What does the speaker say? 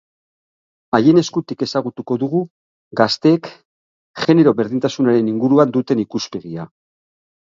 Haien eskutik ezagutuko dugu gazteek genero berdintasunaren inguruan duten ikuspegia.